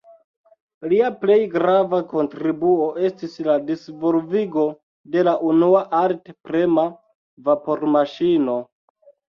Lia plej grava kontribuo estis la disvolvigo de la unua alt-prema vapormaŝino.